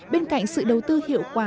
bên cạnh sự đầu tư hiệu quả